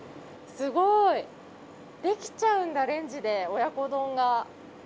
すごい！できちゃうんだレンジで親子丼が。